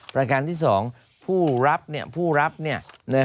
ประการที่๒ผู้รับเนี่ย